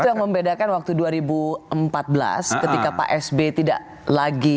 sama juga orang lihat anaknya gitu loh karena apa itu membedakan waktu dua ribu empat belas ketika pak sb tidak lagi